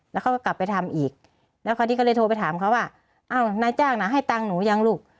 แล้วเขาก็กลับไปทำอีกแล้วคราวนี้ก็เลยโทรไปถามเขาว่าอ้าวนายจ้างน่ะให้ตังค์หนูยังลูก